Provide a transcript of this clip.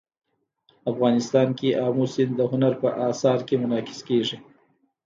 افغانستان کې آمو سیند د هنر په اثار کې منعکس کېږي.